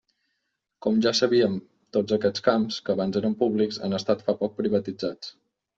Com ja sabíem, tots aquests camps, que abans eren públics, han estat fa poc privatitzats.